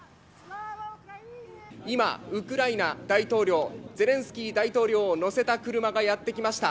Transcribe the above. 今、ウクライナ大統領、ゼレンスキー大統領を乗せた車がやって来ました。